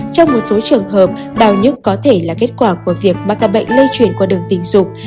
trong một số trường hợp đau nhức có thể là kết quả của việc ba ca bệnh lây chuyển qua đường tình dục